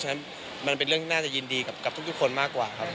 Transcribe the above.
ฉะนั้นมันเป็นเรื่องที่น่าจะยินดีกับทุกคนมากกว่าครับ